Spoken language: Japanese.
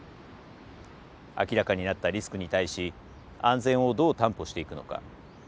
明らかになったリスクに対し安全をどう担保していくのか。